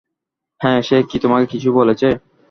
হ্যাঁ সে কি তোমাকে কিছু বলেছে?